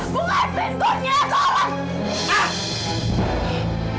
buka pintunya astaghfirullahaladzim